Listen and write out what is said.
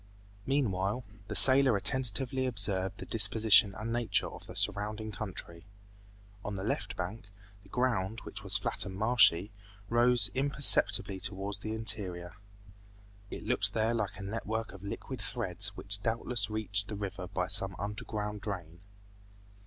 Meanwhile, the sailor attentively observed the disposition and nature of the surrounding country. On the left bank, the ground, which was flat and marshy, rose imperceptibly towards the interior. It looked there like a network of liquid threads which doubtless reached the river by some underground drain.